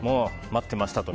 待ってましたと。